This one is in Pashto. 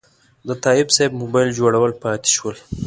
د تایب صیب موبایل جوړول پاتې شول.